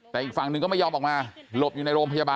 แต่อีกฝั่งหนึ่งก็ไม่ยอมออกมาหลบอยู่ในโรงพยาบาล